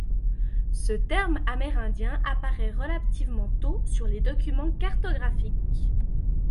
Ce terme amérindien apparaît relativement tôt sur les documents cartographiques.